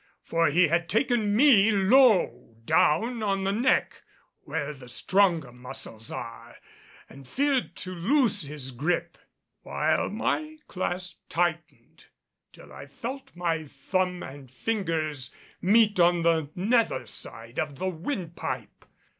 For he had taken me low down on the neck where the stronger muscles are and feared to loose his gripe; while my clasp tightened till I felt my thumb and fingers meet on the nether side of the windpipe.